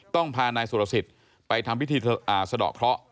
ต้องพานายสุรสิทธิ์ไปทำพิธีสะดอกเคราะห์